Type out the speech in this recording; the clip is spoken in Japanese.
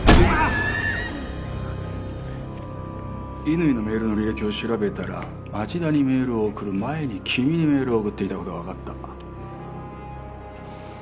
乾のメールの履歴を調べたら町田にメールを送る前に君にメールを送っていたことが分かった。